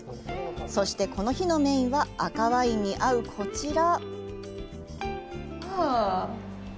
そして、この日のメインは赤ワインに合うこちら。